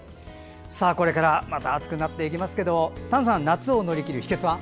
これからまた暑くなっていきますけど丹さん、夏を乗り切る秘けつは？